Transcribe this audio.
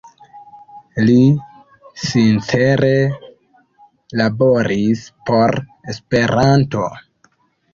Li sincere laboris por Esperanto.